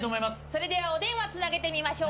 それではお電話つなげてみましょう。